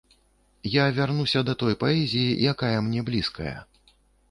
Я вярнуся да той паэзіі, якая мне блізкая.